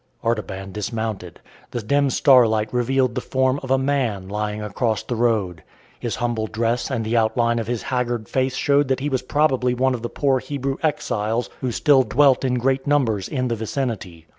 Artaban dismounted. The dim starlight revealed the form of a man lying across the road. His humble dress and the outline of his haggard face showed that he was probably one of the poor Hebrew exiles who still dwelt in great numbers in the vicinity.